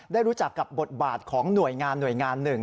ได้รู้จักกับบทบาทของหน่วยงานหน่วยงานหนึ่ง